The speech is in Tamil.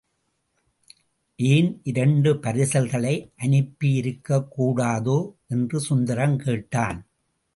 ஏன் இரண்டு பரிசல்களை அனுப்பியிருக்கக்கூடாதோ? என்று சுந்தரம் கேட்டான்.